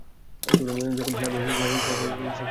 যখন সে হাঁটবে সবাই তার দিকে তাকিয়ে থাকবে।